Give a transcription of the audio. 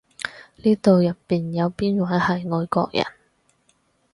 呢度入邊有邊位係外國人？